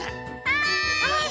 はい！